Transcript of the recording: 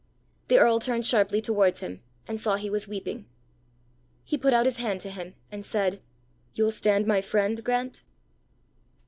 The earl turned sharply towards him, and saw he was weeping. He put out his hand to him, and said, "You'll stand my friend, Grant?"